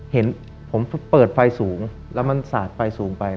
เห็นผมเปิดไฟสูงแล้วมันสาดไฟสูงไป